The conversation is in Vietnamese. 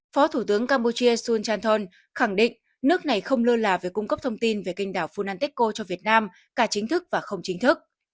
phó thủ tướng campuchia sul chanthon khẳng định nước này không lơ là về cung cấp thông tin về kênh đảo funanteco cho việt nam cả chính thức và không chính thức